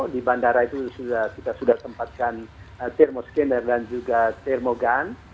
di bandara itu kita sudah tempatkan termoskiner dan juga termogun